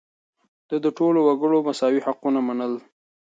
ده د ټولو وګړو مساوي حقونه منل.